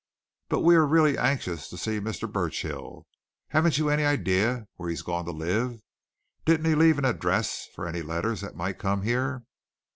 But we are really anxious to see Mr. Burchill haven't you any idea where he's gone to live? Didn't he leave an address for any letters that might come here?"